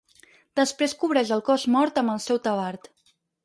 Després cobreix el cos mort amb el seu tabard.